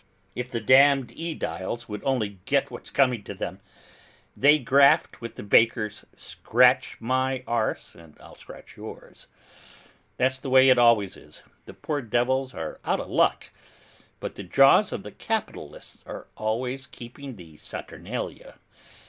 If the damned AEdiles would only get what's coming to them. They graft with the bakers, scratch my arse and I'll scratch yours! That's the way it always is, the poor devils are out of luck, but the jaws of the capitalists are always keeping the Saturnalia.